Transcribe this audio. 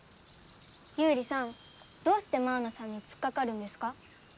ユウリさんどうしてマウナさんにつっかかるんですか？